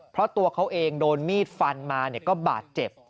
เพราะตัวเขาเองโดนมีดฟันมาก็บาดเจ็บ